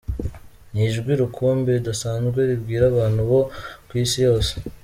Ni ijwi rukumbi ridasanzwe ribwira abantu bo ku Isi yose.